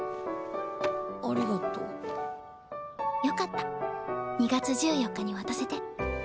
よかった２月１４日に渡せて。